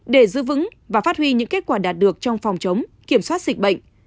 để giữ vững và phát huy những kết quả đạt được trong phòng chống kiểm soát dịch bệnh